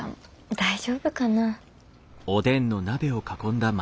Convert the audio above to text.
大丈夫かなぁ。